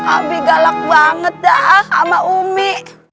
abi galak banget dah sama umi